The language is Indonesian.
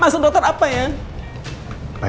pak jajak tidak tetap kaos ya saya